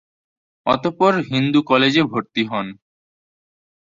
অতপর হিন্দু কলেজে ভর্তি হন।